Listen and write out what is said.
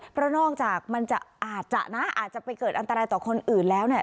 เพราะนอกจากมันจะอาจจะนะอาจจะไปเกิดอันตรายต่อคนอื่นแล้วเนี่ย